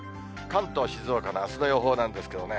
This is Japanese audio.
関東、静岡のあすの予報なんですけどね。